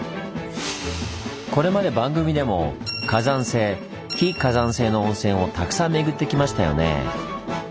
これまで番組でも火山性・非火山性の温泉をたくさんめぐってきましたよね。